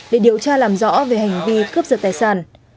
để điều tra làm rõ về hành vi cướp giật tài sản